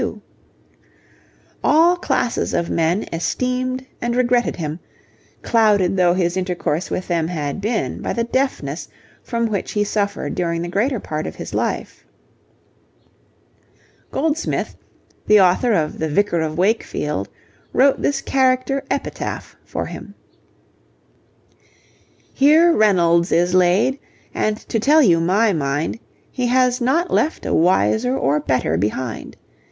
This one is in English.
All classes of men esteemed and regretted him, clouded though his intercourse with them had been by the deafness from which he suffered during the greater part of his life. Goldsmith, the author of the Vicar of Wakefield, wrote this character 'epitaph' for him: Here Reynolds is laid, and to tell you my mind, He has not left a wiser or better behind.